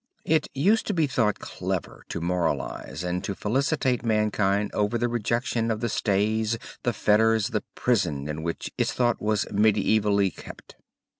It used to be thought clever to moralize and to felicitate mankind over the rejection of the stays, the fetters, the prison in which its thought was medievally kept.